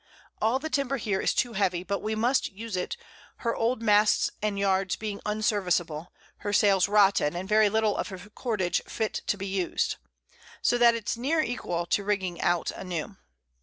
All the Timber here is too heavy, but we must use it, her old Masts and Yards being unserviceable, her Sails rotten, and very little of her Cordage fit to be us'd; so that it's near equal to rigging out a new.